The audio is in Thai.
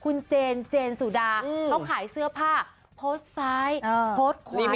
คุณเจนเจนสุดาเขาขายเสื้อผ้าพดซ้ายพดขวานนี้